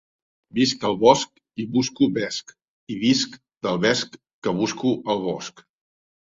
Visc al bosc i busco vesc i visc del vesc que busco al bosc.